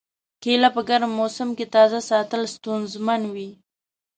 کېله په ګرم موسم کې تازه ساتل ستونزمن وي.